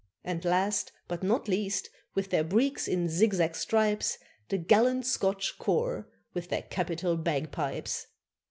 And last, but not least, with their breeks in zigzag stripes, The gallant Scotch corps, with their capital bagpipes.